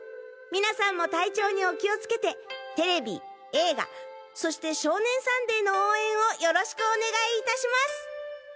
みなさんも体調にお気を付けてテレビ映画そして『少年サンデー』の応援をよろしくお願い致します。